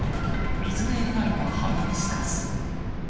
水で描いたハイビスカス。